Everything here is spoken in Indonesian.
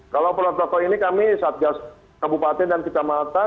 kalau peluang peluang ini kami sabcas kabupaten dan kecamatan